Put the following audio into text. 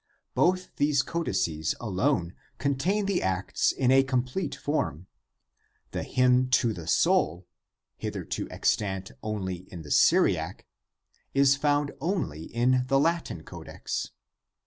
Both these codices alone contain the Acts in a complete form; the hymn to the soul, hitherto extant only in the Syriac, is found only in cod. U.